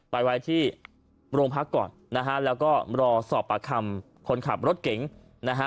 ไปไว้ที่โรงพักก่อนนะฮะแล้วก็รอสอบประคำคนขับรถเก๋งนะฮะ